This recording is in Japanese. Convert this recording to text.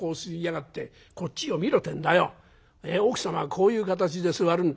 こういう形で座るんだ。